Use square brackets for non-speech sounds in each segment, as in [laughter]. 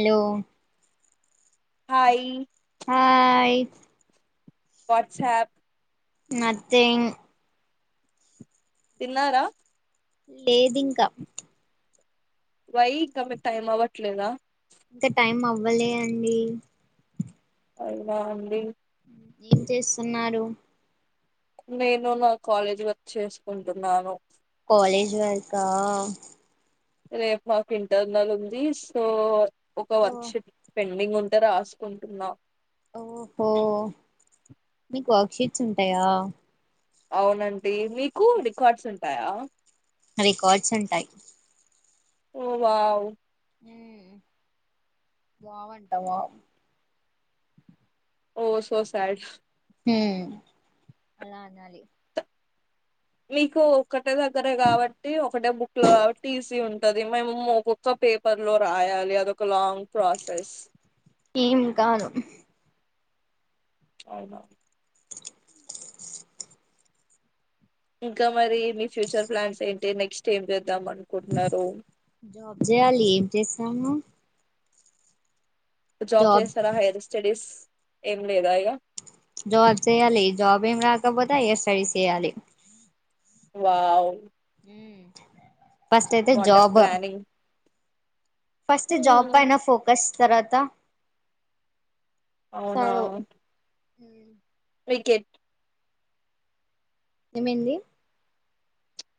Hello hi hi WhatsApp nothing తిన్నారా లేదు ఇంకా వై ఇంక మీ టైమ్ అవట్లేదా ఇంక టైం అవ్వలే అండి అవునా అండి ఏం చేస్తున్నారు? నేను నా కాలేజ్ వర్క్ చేసుకుంటున్నాను. కాలేజ్ వర్కా రేపు మాకు ఇంటర్నల్ ఉంది సో ఒక ఓ వర్క్ షీట్ పెన్ పెండింగ్ఉంటే రాసుకుంటున్నా ఓహో మీకు వర్క్ షీట్స్ ఉంటాయా అవునం మీకు రికార్డ్స్ ఉం టయ రికార్డ్స్ ఉంటాయి ఓ వావ్ ఉమ్ వావ్ అంటా వావ్ ఓ సో సైడ్ హ్మ్ అలా అనాలి మీకు ఒక ఒకటే దగ్గరే కాబట్టి ఒకటే బుక్ లో కాబట్టి ఈసీ ఉం ఉంటది మేమేమో ఒక్కొక్క పేపర్ లో రాయాలి అదొక లాంగ్ ప్రాసెస్ ఏం కాదు అవునా ఇంకా మరి మీ ఫ్యూచర్ ప్లాన్స్ ఏ నెక్స్ట్ ఏం చద్ జాబ్ చేయాలి ఏం చేస్తాము జాబ్ చేస్తారా హైర్ స్టడీస్ ఏం లేదా ఇగా జాబ్ చేయాలి జాబ్ ఏం రాకపోతే ఎ స్టడీ చేయాలి వావ్ ఉమ్ ఫస్ట్ అయితే what a job planning first job హ్మ్. పేయినా ఫకస్ తరవాత అవునా ఉమ్ క్రికెట్ ఏమేంది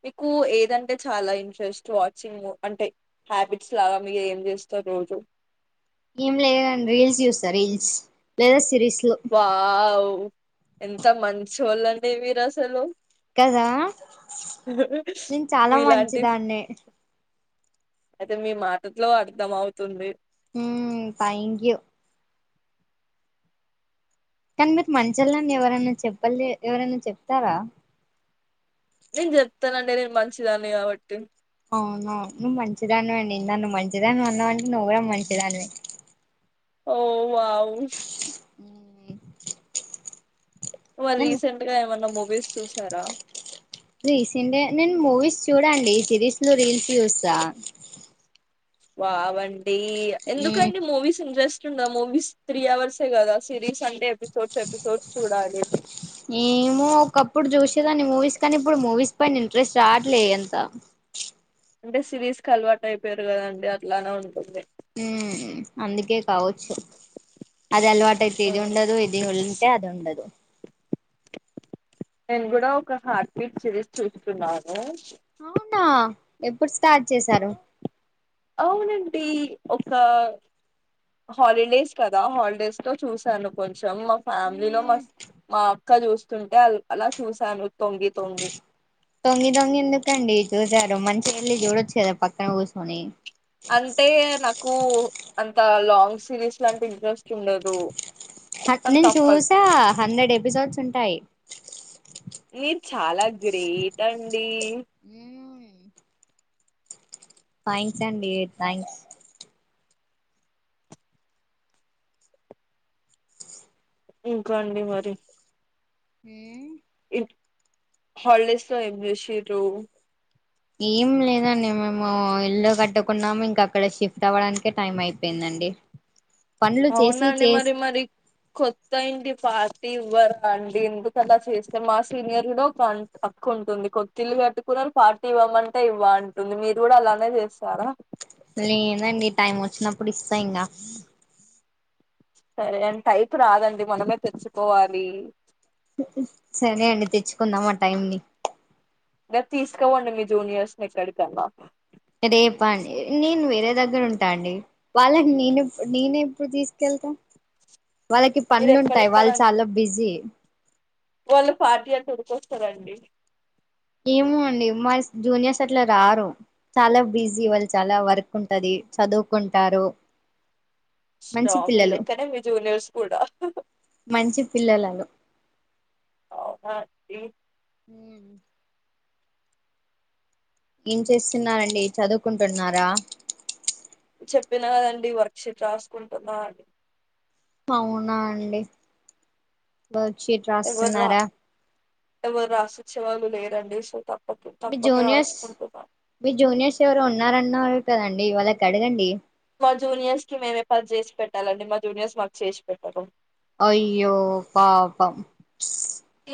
మీకు ఏదంటే చాలా ఇంట్రెస్ట్ వాచింగ్ అంటే హ్యాబిట్స్ లాగా మీరు ఏం చేస్తారు రోజు ఏం లేదుండి రీల్స్ చూస్తా రీల్స్ లేదా సిరీస్ వావ్ ఎంత మంచి వాళ్ళండి మీరు అసలు కదా నేను చాలా మీలాంటి మంచిదాన్ని అయితే మీ మాటట్లో అర్థం అవుతుంది ఉమ్ థ్యాంక్ యూ కానీ మీరు మంచిళ్ళండి ఎవరైనా చెప్పాలి ఎవరైనా చెప్తారా నేను చెప్తానండి నేను మంచిదాన్ని కాబట్టి అవునా నువ్వు మంచిదానివ్వండి ఇ నువ్ మంచిదాని అన్నా అంటే నువ్వు కూడా మంచిదానివ ఓ వావ్ ఉమ్ వ నేను రీసెంట్ గా ఏమన్నా మొగ్ విస్ చూసారా? రీసెంట్గా, నేను మూవీస్ చూడ అండి, సిరీస్ లో రీల్స్ చూస్తా. వావ్ అండి. మ్మ్ ఎందుకండి మూవీస్ ఇంట్రెస్ట్ దా మూవీస్ త్రీ అవర్సే కదా సిరీస్ సండే ఎపిసోడ్స్ ఎపిసోడ్స్ చూడాలి ఏమో ఒకప్పుడు చూసేదాన్ని మూవీస్ కానీ ఇప్పుడు మూవీస్ పైన ఇంట్రెస్ట్ రావట్లేదు ఎంత అంటే సిరీస్ క అలవాటు అయిపోయారు కదండి అట్లానే ఉంటుంది ఉ అందుకే కావచ్చు అది అల్వాటు అయితే ఇది ఉమ్. ఉండదు ఇది ఉంతే అది ఉండదు నేను కూడా ఒక హార్ట్ బీట్ సిరీస్ చూసున్నాను అవునా ఎప్పుడు స్టార్ట్ చేశారు ఇటి ఒక హాలిడేస్ కదా హాలిడేస్ తో చూశాను కొంచం చాం మా ఫ్యామిలీలో మా మా క చూస్తుంటే, అల్ అలా చూశాను. తొంగి తొంగి ఎందుకండి చూసారు? మంచిగెల్లి చూడొచ్చు కదా, పక్కన కూసోని. అంటే నాకు అంత్ కా, లాంగ్ సిరీస్ లాంటె ఇంట్రెస్ట్. ఉండదు అట్ కానీ నేన్ తప్పదు చూసా, హండ్రెడ్ ఎపిసోడ్స్ ఉంటాయి. మీరు చాలా గ్ గ్రేట్ అండి. థ్యాంక్స్ అండి, థ్యాంక్స్. ఇంకా అండి మరి? ఉమ్ హలిడేస్ లో ఏం చేసిర్రూ? ఏం లేదండి. మేము ఇల్లు కట్టుకున్నాము, ఇంక అక్కడ షిఫ్ట్ అవ్వడానికే టైమ్ అయిపోయిందండి. పనులు చేసి అవునండి చేసి మరి మరి, కొత్త ఇంటి పార్టీ ఇవ్వరా అండి? ఎందుకలా చేస్తర్. మా సీనియర్లో కం అక్క వుంటుంది. కొత్తిళ్లు కట్టుకున్నరు, పార్టీ ఇవ్వమంటే ఇవ్వ అంటుంది. మీరు కూడా అలానే చేస్తారా? లేదండి టైం వచ్చినప్పుడు ఇస్తా ఇంకా సరే అన్ టైము రాదండి, మనమే తెచ్చికోవాలి. సరే అండి, తెచ్చుకుందాం ఆ టైం ని. గ తీసుకోపొండి మీ జూనియర్స్ ని, ఎక్కడికన్నా. రేపాన్ నేను వేరే దగ్ దగ్గర ఉంటా అండి, వాళ్ళని నేనేపుడ్ నేనెప్పుడు తీసుకెళ్తా? వాళ్ళకి మీరు పనులుంటాయి, వాళ్ళు ఎక్కడుంటారండి చాలా బిజీ. వాళ్ళు, పార్టీ అంటే ఉరికొస్తరండి. ఏమో అండి, మా స్ జూనియర్స్ అట్లా రారు. చాలా బిజీ వాళ్, చాలా వర్క్ ఉంటది, చదువుకుంటారు. మంచి [unintelligible] మీ పిల్లలు లెక్కనే మీ జూనియర్స్ కూడా మంచి పిల్లలలు అవునా ఏ హ ఏం చేస్తున్నారంండి చదువుకుంటున్నారా చెప్పిన కదండి వర్క్ ీట్ రాసుకుంటున్నా అని అవునా అండి బ చీట్ రాస్తున్నారా? ఎవ్వరు రాసిచ్చే వాళ్ళు లేరండి, సో తప్పక మీ తప్పక జూనియర్స్, రాసుకుంటున్నా మీ జూనియర్స్ ఎవరో ఉన్నారన్నారు కదండ్ డి వాళ్ళకడగండి? మా జూనియర్స్ కి, మేమే పని చేసి పెట్టాలండి. మా జూనియర్స్, మాకు చేసి పెట్టరు. అయ్యో పాపం.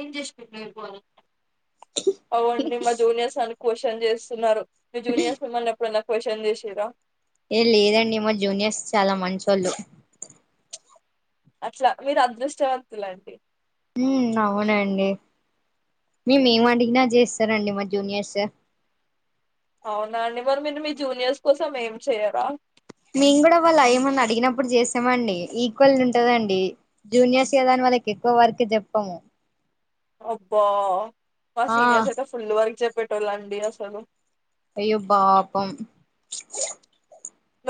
ఏం చేసి పెట్టలండి పొరగాళ్ళక్ అవునండి, మా జూనియర్స్ క్ క్వశ్చన్ చేస్తున్నారు? మీ జూనియర్స్ మిమ్మల్ని ఎప్పుడూ అన్న క్యూషన్ చేసిరా ఏ లేదండి మా జూనియర్స్ చాలా మంచి వాళ్ళు అట్లా మీరు అదృష్టవంతులు అండి అవునండి మేముేమి అడిగినా చేస్తారంండి మా జూనియర్స్ అవున అండి మరి మీరు మీ జూనియర్స్ కోసం ఏం చెయరా మేము కూడా వాళ్ళు ఏమన్న అడిగినప్పుడు చేసామండి ఈక్వల్ ఉంటదండి జూనియర్స్ కదాని వాళ్ళకి ఎక్కువ వర్క్ చెప్పము అబ్బా మా ఆ సీనియర్స్ ఇతే ఫుల్ వర్క్ చెప్ పెటోలాండి అసలు అయ్యో బాపం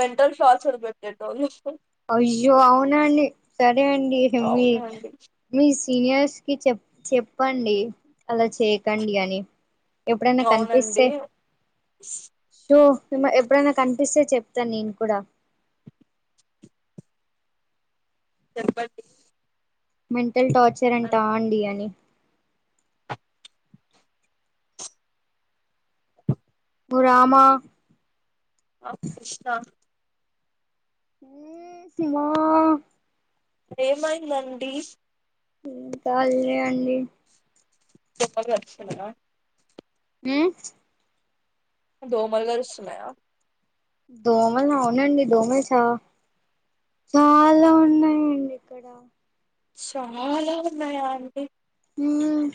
మెంటల్ షార్స్ పెట్టేటోల్లు అయ్యో అవునండి సరే అండి మీ అవునండి మీ సీనియర్స్ కి చెప్ చెప్పండి అలా చేయకండి అని ఎప్పుడైనా అవునండి కనిపిస్తే సో ఇమ ఎప్పుడైనా కనిపిస్తే చెప్తా నేను కూడా చెప్పండి మేం ఇల్ టార్చర్ అంటా అండి అని ఓ రామా ఆ కృష్ణ హ్మ్మ్ మో ఏమైందండీ ఏం కాలే అండి గొప్ప గా అరుచుకున్నారా మ్ దోమలు కరుస్తున్నయా దోమలు అవునండి దోమలు చ చాల ఉన్నాయండి ఇక్కడ చాల ఉన్నాయా అండి ఉమ్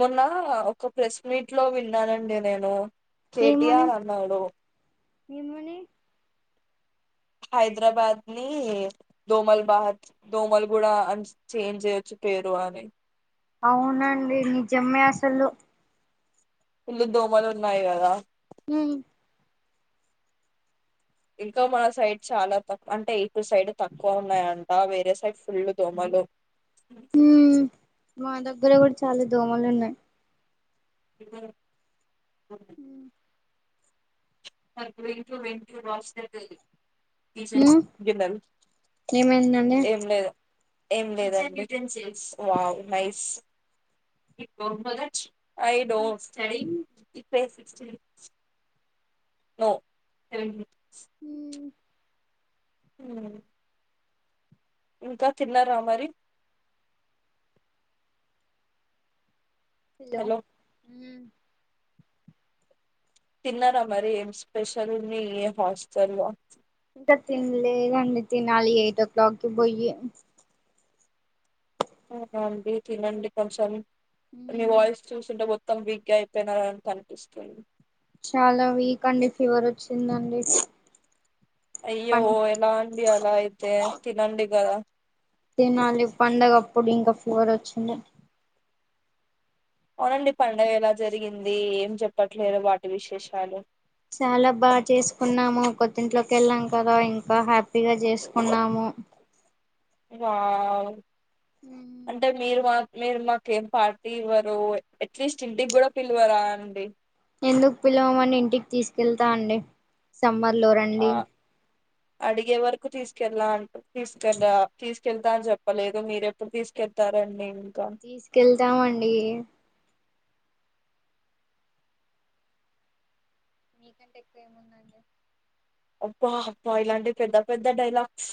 మొన్నా ఒక ప్రెస్ మీట్ లో విన్నానండి నేను ఏమని కెటిఆర్ అన్నాడు ఏమని హైదరాబాద్ ని దోమల్ బాహద్ దోమల్ గూడా అని చేంజ్ చేయ్యొచ్చు పేరు అని అవునండి నిజమే అసలు ఫుల్లు దోమలు ఉన్నాయి కదా మ్మ్ ఇంకా మన సైడ్ చాలా తక్కు అంటే ఇటు సైడ్ తక్కువ ఉన్నాయంట వేరే సైడ్ ఫుల్లు దోమలు ఉమ్ మా దగ్గర కూడా చాలా దోమలు ఉన్నాయి ఉ [inaudible] మ్మ్ రెంట్లు రెంట్లు మస్త్ ఐతది హ్మ్మ్ ఏమైన్ దండి ఏం లేదు ఏం లేదండి వావ్ నైస్ [inaudible] నొ [inaudible] ఉమ్ అ ఇంక తిన్నార మరి హెలో హలో ఉమ్ తిన్నర మరి ఏం స్పెషల్ ఉంది ఏ హాస్టల్లో ఇంక తిన్లే దండి తినాలి ఎయిట్ ఓ క్లాక్కి పోయి సరే అండి తినండి కొంచెం మీ ఉమ్ వాయిస్ చూస్తుంటె పో మొత్తం వీక్గా అయిపోయినార అంట కనిపిస్తుంది. చాల వీక్ అండి ఫీవర్ వచ్చిందండి. అయ్యో పం ఎలా అండి ఎలా అయితే తినండిగద తినాలి పండగ అప్పుడు ఇంక ఫీవర్ వచ్చింద అవునండి పండగ ఎలా జరిగింది ఏం చెప్పట్లేదు వాటి విశేషాలు చాల బా చేసుకున్నాము కొద్దింట్లోకి వెళ్ళాం కదా ఇంకా హ్యాపీగా చేసుకున్నాము వావ్ అంటె మీరు మాక్ మీరు మాకేం పార్టీ ఇవ్వరు ఎట్లీస్ట్ ఇంటికి కూడ పిలవరా అండి ఎందుకు పిల్వమని ఇంటికి తీసుకెళ్తా అండి సంబ్ లొ ఆ రండి అడిగే వరకు తీసుకెళ్లాా అంటూ తీసుకె తీసు తీసుకెళ్తాను చెప్పలేదు మీరుెప్పుడు తీసుకెళ్తారండి ఇంకా తీసుకెళ్తామ అండి మీకంటె ఎక్కువ ఏముందండి హబ్బా అబ్బ ఇలాంటి పెద్ద పెద్ద డైలాగ్స్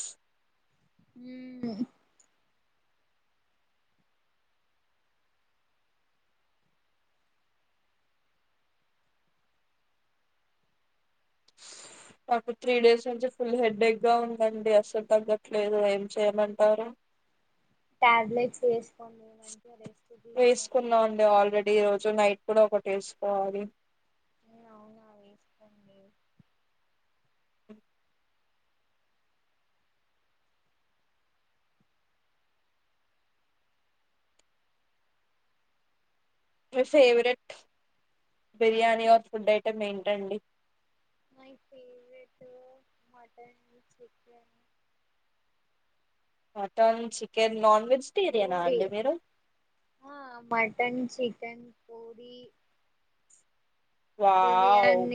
ఉమ్ నాకు త్రీ డేస్ నుంచి ఫుల్ హెడ్డెక్ గా ఉందండి అస్సలు తగ్గట్లేదు ఏం చేయమంటారు టాబ్లెట్స్ వేసుకోండి మంచిగ రెస్ట్ తీసుకోండి ఇప్పుడ్ ఒకటిేసుకోవాలి ఏ అవున వేసుకోండి మీ favourite biryani or food item ఏంటండి my favourite mutton chicken mutton chicken non వెజిటేరియనా పూరి అండి మీరు మటన్ చిక్ తెన్ కోడి వావ్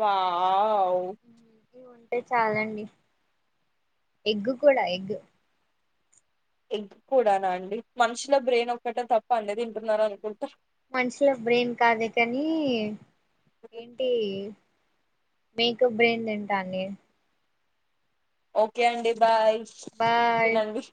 వావ్ ఏ అంటే చాలండి ఎగ్ కూడా ఎగ్ ఎగ్ కూడానా అండి మనుషుల బ్రెయిన్ ఒక్కటే తప్ప అనే తింటున్నారు అనుకుంటా మనుషులో బ్రెయిన్ కాదే కానీ ఏంటి మేక బ్రెయిన్ తింటాని ఓకే అండి బాయ్ బాయ్ థినానండి